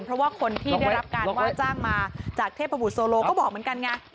เพราะว่าคนที่ได้รับการว่าจ้างมาจากเทพบุตรโซโลก็บอกเหมือนกันไง